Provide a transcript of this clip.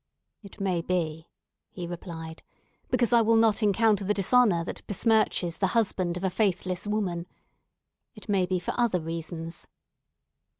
"It may be," he replied, "because I will not encounter the dishonour that besmirches the husband of a faithless woman. It may be for other reasons.